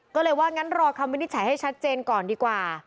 ก็เลยว่างั้นรอคำวินิจฉัยให้ชัดเจนก่อนดีกว่า